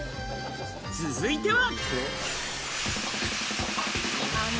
続いては。